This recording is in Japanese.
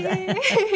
フフフフ。